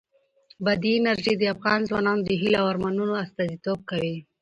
بادي انرژي د افغان ځوانانو د هیلو او ارمانونو استازیتوب کوي.